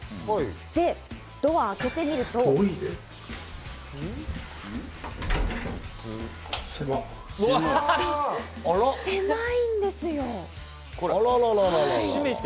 で、ドアを開けてみると、狭いんですよ。